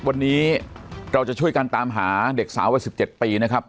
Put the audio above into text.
วันนี้เราจะช่วยกันตามหาเด็กสาววัย๑๗ปีนะครับ